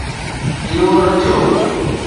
اهو نه ٿيو.